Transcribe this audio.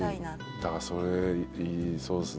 だからそれそうっすね。